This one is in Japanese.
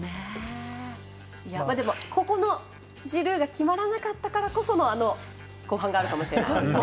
でも、ここのジルーが決まらなかったからこその後半があるかもしれない。